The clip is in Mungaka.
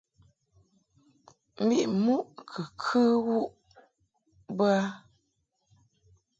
Mbiʼ muʼ kɨ bə wuʼ bə a .